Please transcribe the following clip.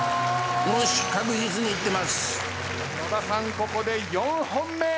ここで４本目！